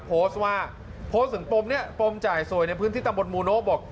โพสต์ว่าโพสต์ถึงปมนี้ปมจ่ายสวยในพื้นที่ตำบลมูโนะบอก